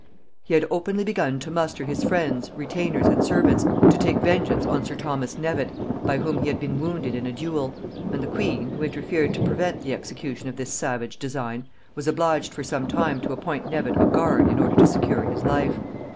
He had openly begun to muster his friends, retainers and servants, to take vengeance on sir Thomas Knevet, by whom he had been wounded in a duel; and the queen, who interfered to prevent the execution of this savage design, was obliged for some time to appoint Knevet a guard in order to secure his life.